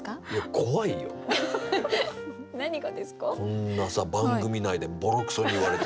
こんなさ番組内でボロクソに言われてさ。